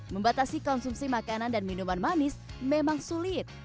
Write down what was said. membatasi konsumsi makanan dan minuman manis memang sulit